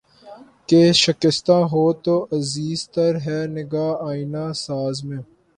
کہ شکستہ ہو تو عزیز تر ہے نگاہ آئنہ ساز میں